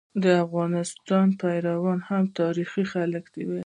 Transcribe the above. د افغانستان پيروان هم تاریخي خلک وو.